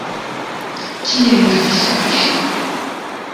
Kiel la fiŝaĵo?